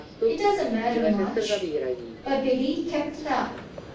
It doesn't matter much." But Biddy kept it up.